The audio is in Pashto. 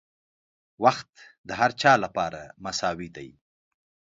• وخت د هر چا لپاره مساوي دی.